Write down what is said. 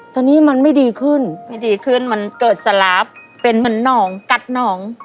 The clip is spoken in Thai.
ตอนนี้มันไม่ดีขึ้นไม่ดีขึ้นมันเกิดสลาฟเป็นเหมือนหนองกัดหนอง